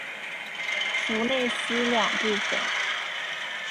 弗内斯两部分。